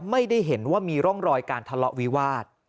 ไม่ได้เห็นว่ามีร่องรอยการทะเลาะวิวาส